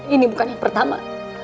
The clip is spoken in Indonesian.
ini bukan yang pertama